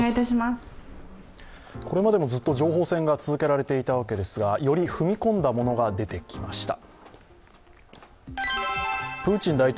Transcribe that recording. これまでもずっと情報戦が続けられていたわけですが、より踏み込んだものが出てきました。